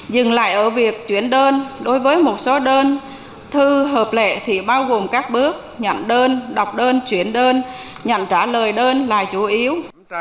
dừng lại ở việc chuyển đơn đối với một số đơn thư hợp lệ thì bao gồm các bước nhận đơn đọc đơn chuyển đơn nhận trả lời đơn là chủ yếu